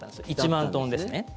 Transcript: １万トンですね。